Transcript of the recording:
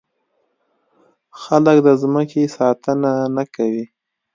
خلک د ځمکې ساتنه نه کوي.